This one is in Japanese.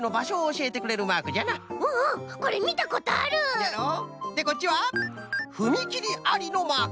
そうじゃろう？でこっちはふみきりありのマーク！